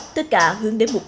tất cả hướng đến mục tiêu